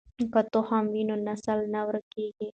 که تخم وي نو نسل نه ورکېږي.